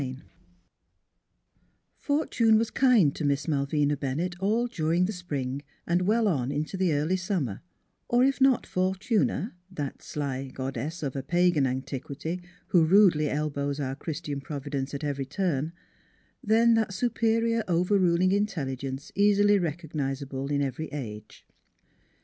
XVI FORTUNE was kind to Miss Malvina Ben nett all during the spring and well on into the early summer or if not Fortuna, that sly goddess of a pagan antiquity who rudely elbows our Christian Providence at every turn, then that superior overruling intelligence easily recognizable in every age.